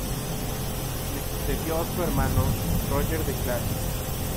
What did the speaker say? Le sucedió su hermano Roger de Clare.